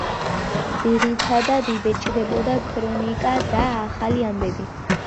ძირითადად იბეჭდებოდა ქრონიკა და ახალი ამბები.